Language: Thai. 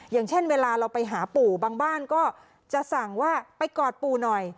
อย่างเช่นเวลาเราไปหาปู่บางบ้านก็จะสั่งว่าไปกอดปู่หน่อย